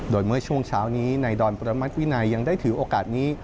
โดยเมื่อช่วงเช้านี้ในดอนประมัติวินัยยังได้ถือโอกาสนี้